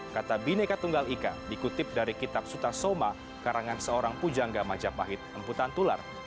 kata bineka tunggal ika dikutip dari kitab suta soma karangan seorang pujangga majapahit emputan tular